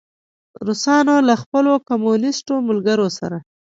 روسانو له خپلو کمونیسټو ملګرو سره.